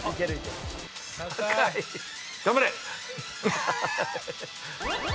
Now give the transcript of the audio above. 頑張れ。